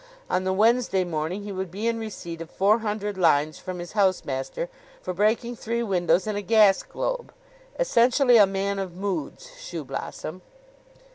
On the Wednesday morning he would be in receipt of four hundred lines from his housemaster for breaking three windows and a gas globe. Essentially a man of moods, Shoeblossom.